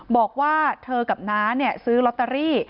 บอกว่าเธอกับน้าซื้อลอตเตอรี่